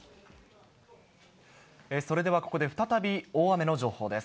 それではここで再び、大雨の情報です。